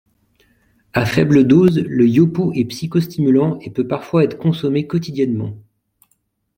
À faibles doses, le yopo est psychostimulant et peut parfois être consommé quotidiennement.